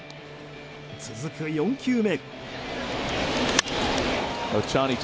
続く４球目。